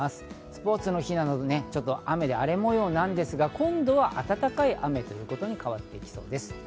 スポーツの日なので、雨で荒れ模様なんですが、今度は暖かい雨ということに変わりそうです。